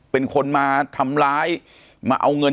ปากกับภาคภูมิ